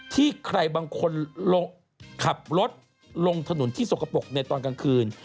ที่ใครบางคนขับรถลงถนนที่สกปรกในตอนกลางคืน